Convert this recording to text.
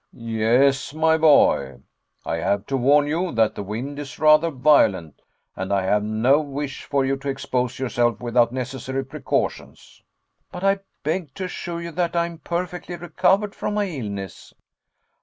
"Yes, my boy. I have to warn you that the wind is rather violent and I have no wish for you to expose yourself without necessary precautions." "But I beg to assure you that I am perfectly recovered from my illness."